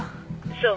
そう。